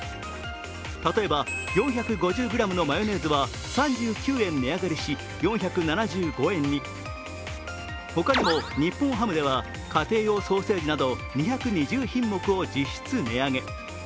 例えば４５０ｇのマヨネーズは２９円値上がりし４７５円にほかにも日本ハムでは家庭用ソーセージなど２２０品目を実質値上げ。